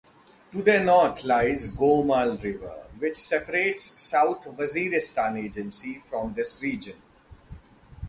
To their north lies Gomal River, which separates South Waziristan Agency from this region.